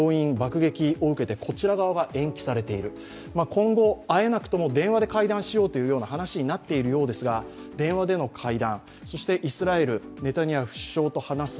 今後、会えなくとも電話で会談しようという話になっているようですが、電話での会談、イスラエル、ネタニヤフ首相と話す。